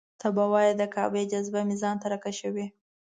ته به وایې د کعبې جاذبه مې ځان ته راکشوي.